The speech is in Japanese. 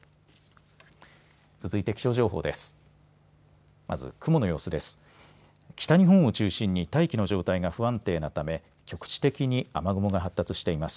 続いて気象情報です。